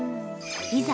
いざ